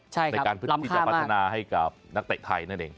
ใช่ครับรำคามากในการพัฒนาให้กับนักเตะไทยนั่นเอง